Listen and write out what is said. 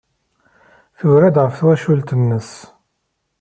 Tura-d ɣef twacult-nnes.